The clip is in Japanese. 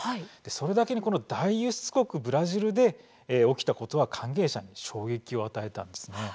それだけにこの大輸出国ブラジルで起きたことは関係者に衝撃を与えたんですね。